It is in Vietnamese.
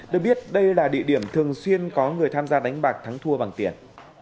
được biết đây là địa điểm thường xuyên có người tham gia đánh bạc thắng thua bằng tiền